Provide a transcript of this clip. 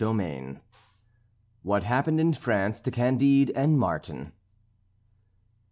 XXII WHAT HAPPENED IN FRANCE TO CANDIDE AND MARTIN.